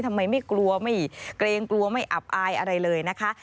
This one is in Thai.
ทำไมไม่กลัวไม่เกรงกลัวไม่อับอายอะไรเลยนะคะ